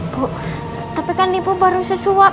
bu tapi kan ibu baru sesuap